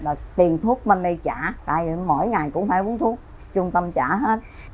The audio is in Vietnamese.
ở đây là cho tôi ăn uống tiền thuốc bên đây trả tại vì mỗi ngày cũng phải uống thuốc trung tâm trả hết